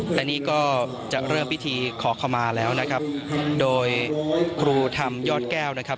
และนี่ก็จะเริ่มพิธีขอขมาแล้วนะครับโดยครูธรรมยอดแก้วนะครับ